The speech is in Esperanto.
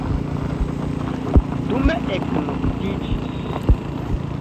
Dume eknoktiĝis.